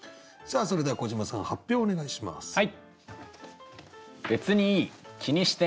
それでは小島さん発表をお願いします。